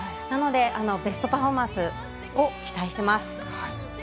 なので、ベストパフォーマンスを期待しています。